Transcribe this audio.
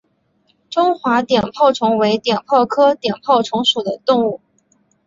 中华碘泡虫为碘泡科碘泡虫属的动物。